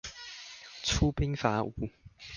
出兵伐吳